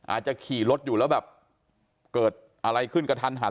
อาจจะขี่รถอยู่แล้วแบบเกิดอะไรขึ้นกระทันหัน